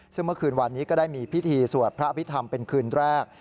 ซึ่งเมื่อคืนวันนี้ก็ได้มีพิธีสวดพระอภิษฐรรมเป็นคืนแรก